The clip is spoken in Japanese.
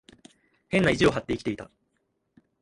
変な意地を張って生きていた。